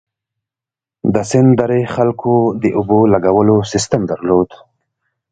د سند درې خلکو د اوبو لګولو سیستم درلود.